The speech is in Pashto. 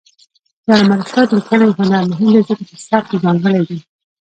د علامه رشاد لیکنی هنر مهم دی ځکه چې سبک ځانګړی دی.